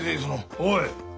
おい。